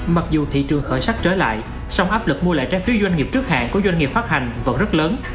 mặc dù thị trường khởi sắc trở lại song áp lực mua lại trái phiếu doanh nghiệp trước hạn của doanh nghiệp phát hành vẫn rất lớn